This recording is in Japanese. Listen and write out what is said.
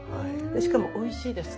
しかもおいしいです。